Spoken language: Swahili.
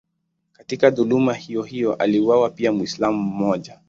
Katika dhuluma hiyohiyo aliuawa pia Mwislamu mmoja.